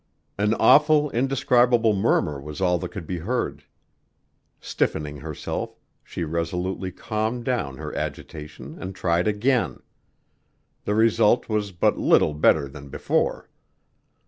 An awful, indescribable murmur was all that could be heard. Stiffening herself, she resolutely calmed down her agitation and tried again. The result was but little better than before.